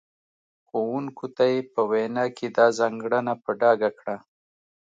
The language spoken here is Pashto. ښوونکو ته یې په وینا کې دا ځانګړنه په ډاګه کړه.